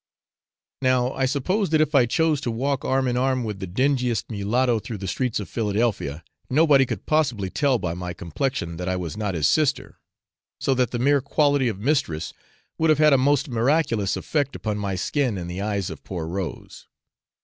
Now, I suppose that if I chose to walk arm in arm with the dingiest mulatto through the streets of Philadelphia, nobody could possibly tell by my complexion that I was not his sister, so that the mere quality of mistress must have had a most miraculous effect upon my skin in the eyes of poor Rose.